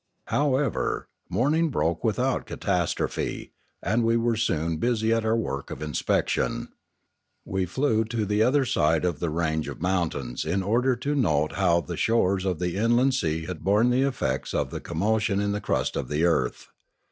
However, morning broke without catastrophe, and we were soon busy at our work of inspection. We flew to the other side of the range of mountains in order to note how the shores of the inland sea had borne the effects of the commotion in the crust of the earth.